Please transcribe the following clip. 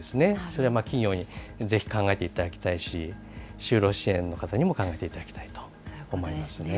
それは企業にぜひ、考えていただきたいし、就労支援の方にも考えていただきたいと思いますね。